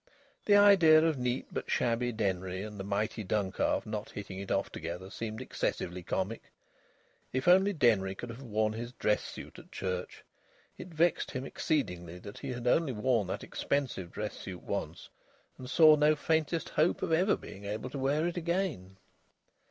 The idea of neat but shabby Denry and the mighty Duncalf not hitting it off together seemed excessively comic. If only Denry could have worn his dress suit at church! It vexed him exceedingly that he had only worn that expensive dress suit once, and saw no faintest hope of ever being able to wear it again.